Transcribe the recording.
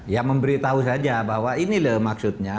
ya memberitahu saja bahwa ini loh maksudnya